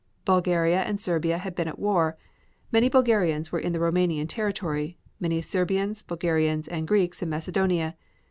Bulgaria and Serbia had been at war; many Bulgarians were in the Roumanian territory, many Serbians, Bulgarians and Greeks in Macedonia.